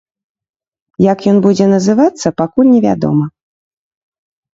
Як ён будзе называцца, пакуль невядома.